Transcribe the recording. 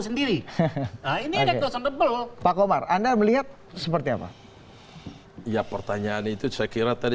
sendiri nah ini ada kekosongan debel pak omar anda melihat seperti apa ya pertanyaan itu cekirat tadi